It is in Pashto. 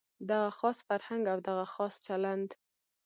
دغه خاص فرهنګ او دغه خاص چلند.